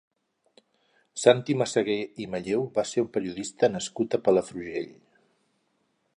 Santi Massaguer i Malleu va ser un periodista nascut a Palafrugell.